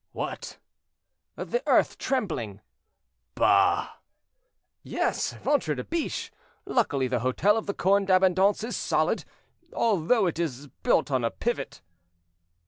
"What?" "The earth trembling." "Bah!" "Yes, ventre de biche! Luckily the hotel of the Corne d'Abondance is solid, although it is built on a pivot."